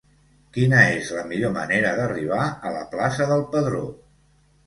Quina és la millor manera d'arribar a la plaça del Pedró?